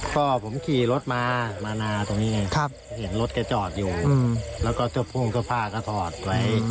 ก็ผมขี่รถมามานาตรงนี้ไงเห็นรถแกจอดอยู่แล้วก็เจ้าโพ่งเสื้อผ้าก็ถอดไว้